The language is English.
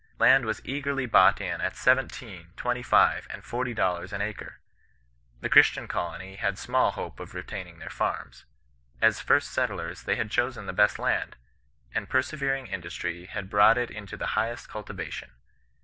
Land was eagerly bought in at seventeen, twenty five, and forty dollars an acre. The Christian colony had small hope of retaining their farms. As first settlers, they had chosen the best land ; and persevering industry had brought it into the highest cultivation.